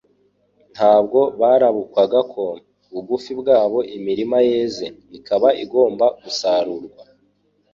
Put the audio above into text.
Ntabwo barabukwaga ko bugufi bwabo imirima yeze, ikaba igomba gusarurwa.